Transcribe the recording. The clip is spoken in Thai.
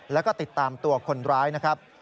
แล้วก็ติดตามตัวคนร้ายนะครับ